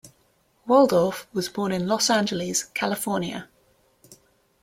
Waldorf was born in Los Angeles, California.